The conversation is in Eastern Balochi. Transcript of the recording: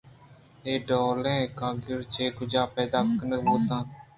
اے ڈولیں کاگد چہ کجا پیدا کنگ بہ بیت